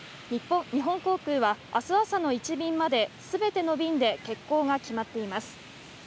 日本航空は、あす朝の１便まですべての便で欠航が決まっています。